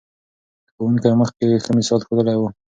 ښوونکي مخکې ښه مثال ښودلی و.